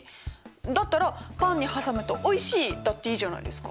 だったら「パンに挟むとおいしい」だっていいじゃないですか。